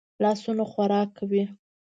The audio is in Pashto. لاسونه خوراک کوي